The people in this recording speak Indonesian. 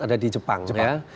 ada di jepang ya